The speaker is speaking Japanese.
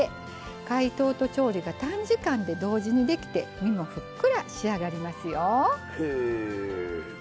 解凍と調理が短時間で同時にできて、身もふっくら仕上がりますよ。